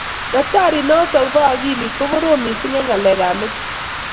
daktarit niton bo akilit ko korom mising eng' ngalek ab metit